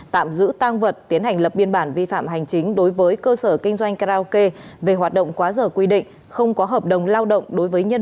tạm giữ tang vật tiến hành lập biên bản vi phạm hành chính đối với cơ sở kinh doanh karaoke